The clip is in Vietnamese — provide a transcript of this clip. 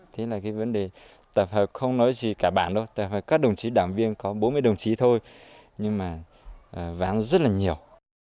thế là cái vấn đề tập hợp không nói gì cả bản đâu tập hợp các đồng chí đảng viên có bốn mươi đồng chí thôi nhưng mà ván rất là nhiều